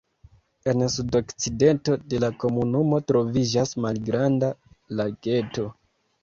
En sudokcidento de la komunumo troviĝas malgranda lageto.